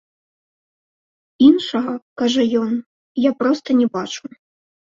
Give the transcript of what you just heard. Іншага, кажа ён, я проста не бачу.